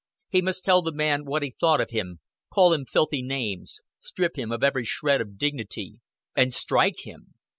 He must tell the man what he thought of him, call him filthy names, strip him of every shred of dignity and strike him.